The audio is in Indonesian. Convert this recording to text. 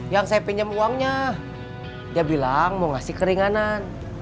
yang saya pinjam uangnya dia bilang mau ngasih keringanan